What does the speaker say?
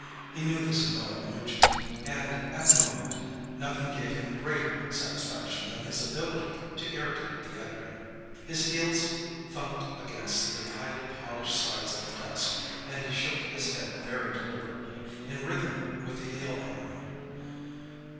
He knew this annoyed Nugent, and, at the moment, nothing gave him greater satisfaction than his ability to irritate the editor. His heels thunked against the highly polished sides of the desk, and he shook his head very deliberately, in rhythm with the heel hammering.